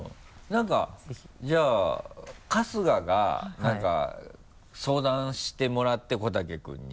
なんかじゃあ春日がなんか相談してもらって小竹君に。